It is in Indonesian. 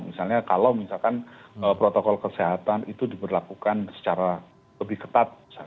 misalnya kalau misalkan protokol kesehatan itu diberlakukan secara lebih ketat